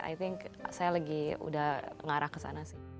i think saya lagi udah ngarah ke sana sih